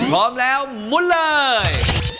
พร้อมแล้วมุนเลย